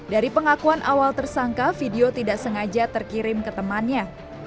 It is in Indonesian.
dari pengakuan awal tersangka video tidak sengaja terkirim ke temannya